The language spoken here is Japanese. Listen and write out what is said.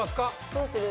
どうする？